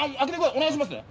お願いしますね